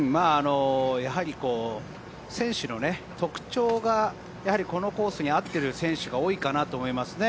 やはり選手の特徴がこのコースに合ってる選手が多いかなと思いますね。